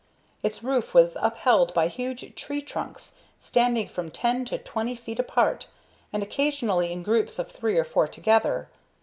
Its roof was upheld by huge tree trunks standing from ten to twenty feet apart, and occasionally in groups of three or four together.